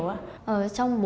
và giảng dễ hiểu